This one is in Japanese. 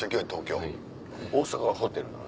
大阪はホテルなの？